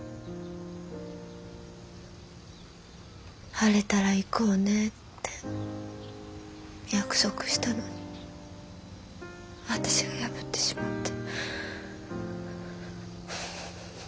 晴れたら行こうねって約束したのに私が破ってしまって。